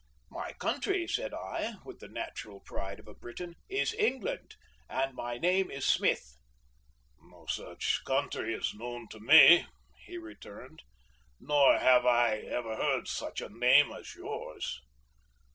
"My country," said I, with the natural pride of a Briton, "is England, and my name is Smith." "No such country is known to me," he returned; "nor have I ever heard such a name as yours."